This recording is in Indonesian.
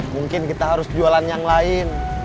mungkin kita harus jualan yang lain